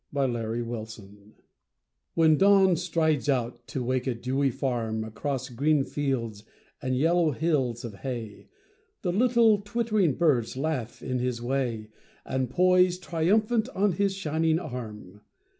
Alarm Clocks When Dawn strides out to wake a dewy farm Across green fields and yellow hills of hay The little twittering birds laugh in his way And poise triumphant on his shining arm.